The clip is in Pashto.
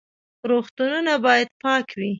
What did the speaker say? روغتونونه باید پاک وي